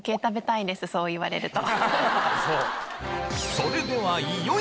そう言われると。